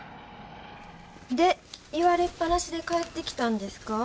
で言われっぱなしで帰ってきたんですか。